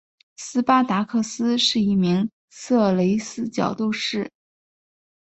斯巴达克斯是一名色雷斯角斗士。